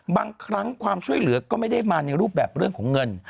บางครั้งความช่วยเหลือก็ไม่ได้มาในรูปแบบเรื่องของเงิน